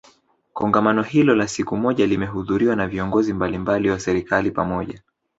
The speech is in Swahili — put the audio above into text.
Kongamano hilo la siku moja limehudhuriwa na viongozi mbalimbali wa serikali pamoja